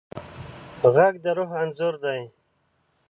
غږ د روح انځور دی